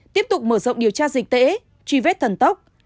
tiếp tục mở rộng điều tra dịch tễ truy vết thần tốc